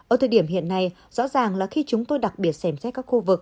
ở thời điểm hiện nay rõ ràng là khi chúng tôi đặc biệt xem xét các khu vực